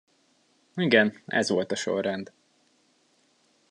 Igen, ez volt a sorrend.